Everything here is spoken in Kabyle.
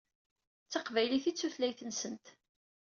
D taqbaylit i d tutlayt-nsent.